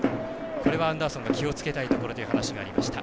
これはアンダーソンが気をつけたいところという話がありました。